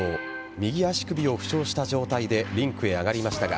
右足首を負傷した状態でリンクへ上がりましたが